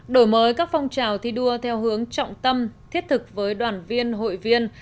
đổi mới các phong trào thi đua theo hướng trọng tâm thiết thực với đoàn viên hội viên